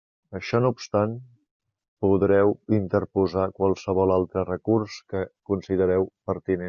Això no obstant, podreu interposar qualsevol altre recurs que considereu pertinent.